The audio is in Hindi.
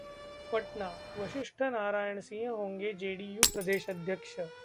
पटना: वशिष्ठ नारायण सिंह होंगे जेडीयू प्रदेश अध्यक्ष